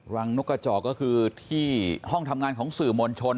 นกกระจอกก็คือที่ห้องทำงานของสื่อมวลชน